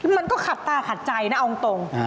มันก็ขัดตาขัดใจนะเอาตรง